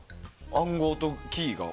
暗号とキーが。